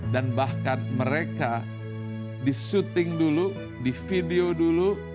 dan bahkan mereka disuting dulu di video dulu